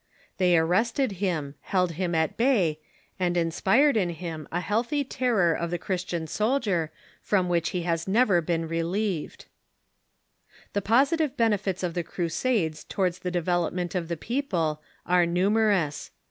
They arrested him, held him at bay, and inspired in him a AUABIC PFIILOSOPHY 171 healthy terror of the Christian soldier from which he has never been relieved. The positive benefits of the Crusades towards the develop ment of the people are numerous.